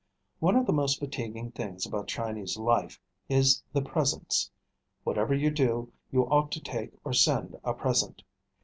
One of the most fatiguing things about Chinese life is the presents. Whatever you do, you ought to take or send a present.